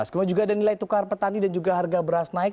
kemudian juga ada nilai tukar petani dan juga harga beras naik